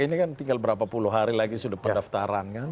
ini kan tinggal berapa puluh hari lagi sudah pendaftaran kan